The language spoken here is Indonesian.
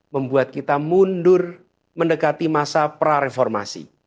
membuat kita mundur mendekati masa prareformasi